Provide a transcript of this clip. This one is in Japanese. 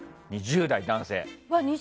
２０代男性。